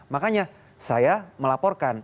makanya saya melaporkan